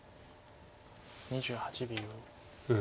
２８秒。